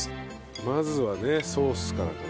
まずはねソースからかな。